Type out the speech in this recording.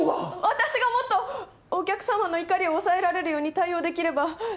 私がもっとお客様の怒りを抑えられるように対応できれば。